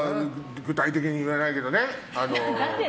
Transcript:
具体的には言えないけど。